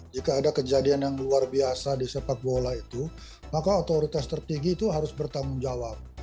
jika ada kejadian yang luar biasa di sepak bola itu maka otoritas tertinggi itu harus bertanggung jawab